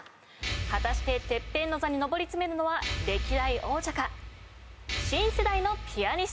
果たしてＴＥＰＰＥＮの座に上り詰めるのは歴代王者か新世代のピアニストか。